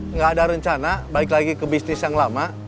nggak ada rencana balik lagi ke bisnis yang lama